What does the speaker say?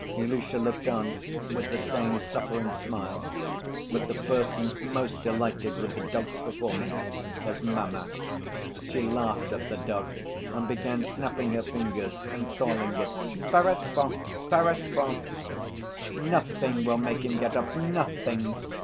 Ilusha looked on with the same suffering smile, but the person most delighted with the dog's performance was "mamma." She laughed at the dog and began snapping her fingers and calling it, "Perezvon, Perezvon!" "Nothing will make him get up, nothing!"